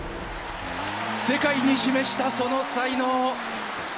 世界に示したその才能。